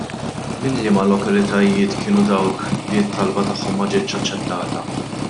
Minn liema lokalitajiet kienu dawk li t-talba tagħhom ma ġietx aċċettata?